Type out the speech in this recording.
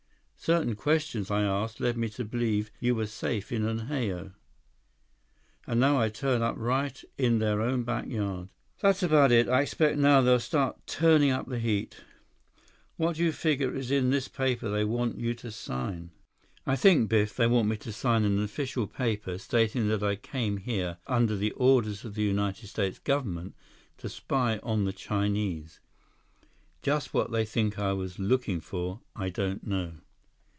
Certain questions I asked led me to believe you were safe in Unhao." "And now I turn up right in their own backyard." "That's about it. I expect now they'll start turning up the heat." "What do you figure is in this paper they want you to sign?" "I think, Biff, they want me to sign an official paper, stating that I came here under the orders of the United States Government to spy on the Chinese. Just what they think I was looking for, I don't know."